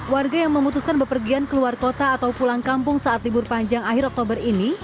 warga yang memutuskan berpergian keluar kota atau pulang kampung saat libur panjang akhir oktober ini